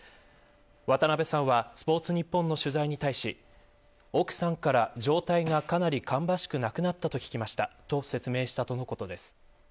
渡部さんはスポーツニッポンの取材に対し奥さんから状態がかなりかんばしくなくなったと聞きましたと説明したとのことです。